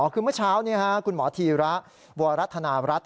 คือเมื่อเช้าคุณหมอธีระบวรรษฎรรรดิ